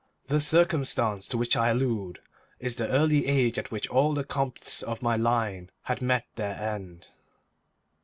The circumstance to which I allude is the early age at which all the Comtes of my line had met their end.